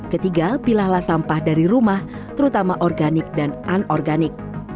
ketiga pilahlah sampah dari rumah terutama organik dan anorganik